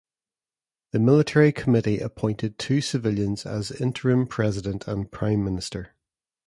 The Military Committee appointed two civilians as interim President and Prime Minister.